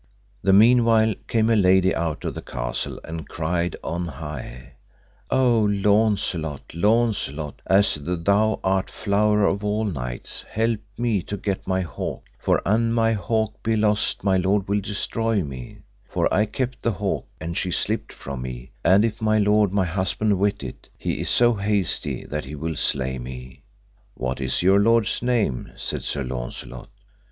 The meanwhile came a lady out of the castle and cried on high: O Launcelot, Launcelot, as thou art flower of all knights, help me to get my hawk, for an my hawk be lost my lord will destroy me; for I kept the hawk and she slipped from me, and if my lord my husband wit it he is so hasty that he will slay me. What is your lord's name? said Sir Launcelot.